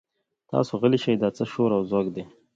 تاسې غلي شئ دا څه شور او ځوږ دی.